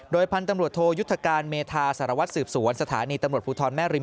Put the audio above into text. พันธุ์ตำรวจโทยุทธการเมธาสารวัตรสืบสวนสถานีตำรวจภูทรแม่ริม